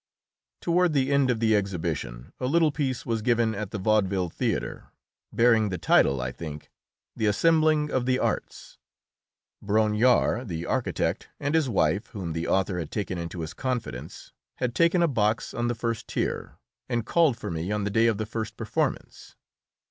Toward the end of the exhibition a little piece was given at the Vaudeville Theatre, bearing the title, I think, "The Assembling of the Arts." Brongniart, the architect, and his wife, whom the author had taken into his confidence, had taken a box on the first tier, and called for me on the day of the first performance.